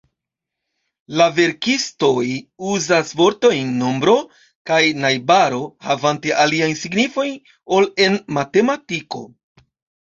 La verkistoj uzas vortojn 'nombro' kaj 'najbaro' havante aliajn signifojn ol en matematiko.